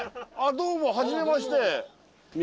どうもはじめまして。